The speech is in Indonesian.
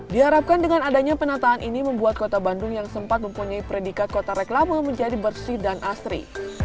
diharapkan dengan adanya penataan ini membuat kota bandung yang sempat mempunyai predikat kota reklama menjadi bersih dan asri